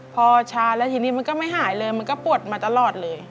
พอชาแล้วทีนี้มันก็ไม่หายเลยมันก็ปวดมาตลอดเลย